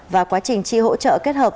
và quá trình tri hỗ trợ kết hợp